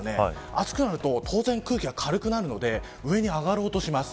暑くなると、当然空気が軽くなるので上に上がろうとします。